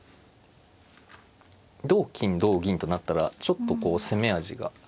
同金同銀となったらちょっとこう攻め味が。